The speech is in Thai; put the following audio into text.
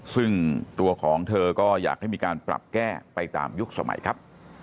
ซึ่งตัวของเธอก็อยากให้มีการปรับแก้ไปตามยุคสมัยครับ